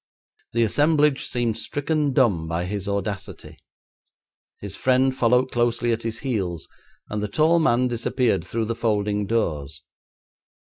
The assemblage seemed stricken dumb by his audacity. His friend followed closely at his heels, and the tall man disappeared through the folding doors.